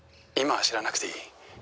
「今は知らなくていい」